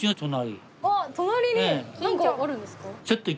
あっ隣に何かあるんですか？